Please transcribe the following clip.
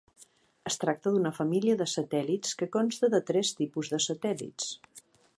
Es tracta d'una família de satèl·lits que consta de tres tipus de satèl·lits.